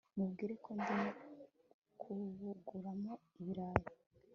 Mubwire ko ndimo gukuramo ibirayi